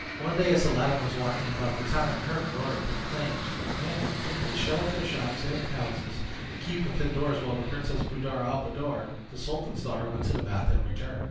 One day as Aladdin was walking about the town he heard an order proclaimed commanding the people to shut up their shops and houses, and keep within doors while the Princess Buddir al Buddoor, the sultan's daughter, went to the bath and returned.